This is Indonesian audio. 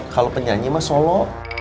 kalau penyanyi mah solo